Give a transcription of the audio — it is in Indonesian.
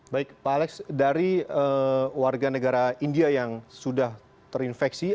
baik pak alex dari warga negara india yang sudah terinfeksi